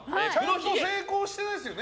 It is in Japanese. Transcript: ちゃんと成功してないですよね